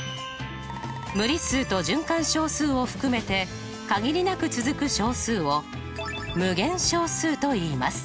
無理数と循環小数を含めて限りなく続く小数を無限小数といいます。